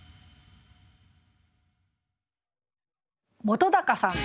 本さん。